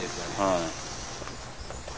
はい。